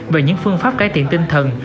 và những phương pháp cải thiện tinh thần